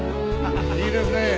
いいですね。